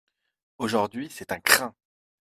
Aujourd’hui c’est un crin !